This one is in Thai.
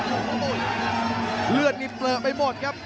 โอ้โหเลือดนี่เปลือไปหมดครับ